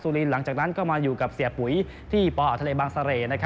ซูลีนหลังจากนั้นก็มาอยู่กับเสียบหุยที่ปทบังเสรต์